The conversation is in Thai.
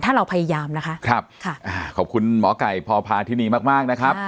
ถ้าเราพยายามนะคะครับค่ะอ่าขอบคุณหมอไก่พพาธินีมากมากนะครับ